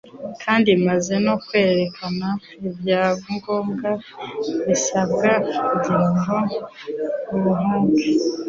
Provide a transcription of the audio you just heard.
kandi amaze no kwerekana ibyangombwa bisabwa kugira ngo uwuhabwe,